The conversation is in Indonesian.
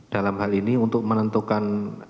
dalam hal ini untuk menentukan